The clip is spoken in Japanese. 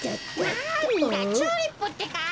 なんだチューリップってか。